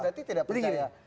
tadi tidak percaya